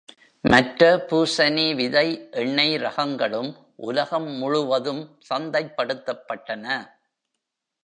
மற்ற பூசனி விதை எண்ணெய் ரகங்களும் உலகம் முழுவதும் சந்தை படுத்தப்பட்டன.